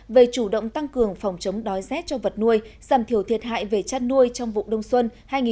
về chủ động tăng cường phòng chống đói rét cho vật nuôi giảm thiểu thiệt hại về chát nuôi trong vụ đông xuân hai nghìn hai mươi hai nghìn hai mươi một